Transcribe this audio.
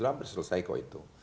sampai selesai kok itu